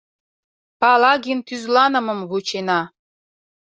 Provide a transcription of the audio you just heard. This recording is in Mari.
Палагин тӱзланымым вучена